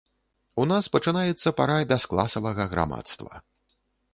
У нас пачынаецца пара бяскласавага грамадства.